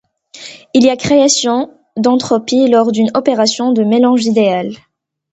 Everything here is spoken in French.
Il y a création d'entropie lors d'une opération de mélange idéale.